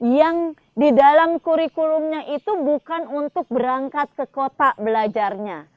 yang di dalam kurikulumnya itu bukan untuk berangkat ke kota belajarnya